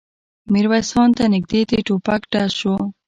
ميرويس خان ته نږدې د ټوپک ډز شو.